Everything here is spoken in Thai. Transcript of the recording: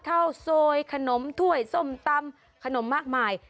โซยขนมถ้วยส้มตำขนมมากมาย